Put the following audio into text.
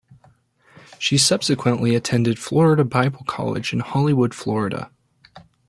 She subsequently attended Florida Bible College in Hollywood, Florida.